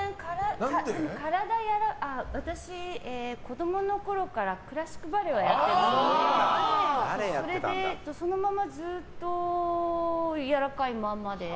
私、子供のころからクラシックバレエをやっていたのでそれで、そのままずっとやらわかいまんまで。